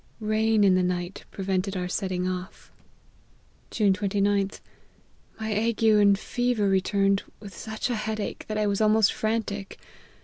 Rain in the night prevented our setting off." 168 LIFE OF HENRY MARTYrt. " June 29th. My ague and fever returned, with such a head ache, that I was almost frantic.